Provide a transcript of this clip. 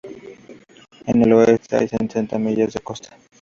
En el oeste hay setenta millas de costa.